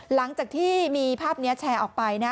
หลังจากที่มีภาพนี้แชร์ออกไปนะ